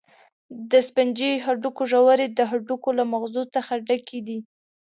د سفنجي هډوکو ژورې د هډوکو له مغزو څخه ډکې دي.